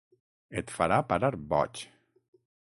Et farà parar boig!